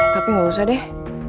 tapi gak usah deh